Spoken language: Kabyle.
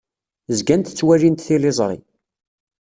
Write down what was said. Zgant ttwalint tiliẓri.